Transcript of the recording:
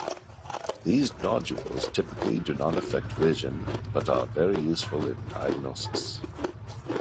These nodules typically do not affect vision, but are very useful in diagnosis.